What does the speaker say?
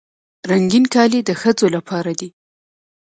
رنګین کالي د ښځو لپاره دي.